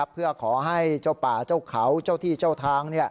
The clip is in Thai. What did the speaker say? เพื่อขอให้เจ้าป่าเจ้าเขาเจ้าที่เจ้าทาง